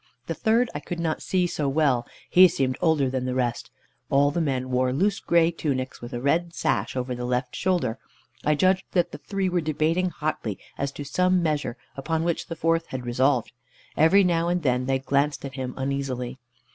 The third I could not see so well. He seemed older than the rest. All the men wore loose grey tunics, with a red sash over the left shoulder. I judged that the three were debating hotly, as to some measure, upon which the fourth had resolved. Every now and then, they glanced at him uneasily.